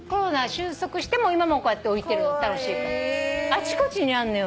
あちこちにあんのよ。